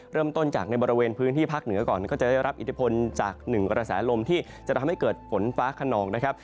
เริ่มต้นจากในบริเวณพื้นที่ภาคเหนือก่อนก็จะได้รับอิทธิพลจากหนึ่งกระแสลมที่จะทำให้เกิดฝนฟ้าขนองนะครับ